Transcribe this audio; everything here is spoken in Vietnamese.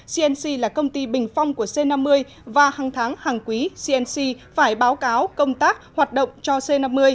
cnc là công ty bình phong của c năm mươi và hàng tháng hàng quý cnc phải báo cáo công tác hoạt động cho c năm mươi